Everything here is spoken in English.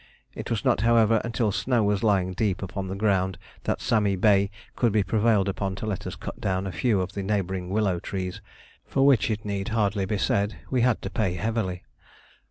It was not, however, until snow was lying deep upon the ground that Sami Bey could be prevailed upon to let us cut down a few of the neighbouring willow trees, for which it need hardly be said we had to pay heavily.